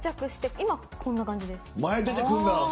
今、こんな感じです。